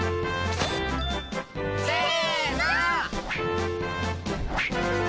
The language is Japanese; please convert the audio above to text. せの。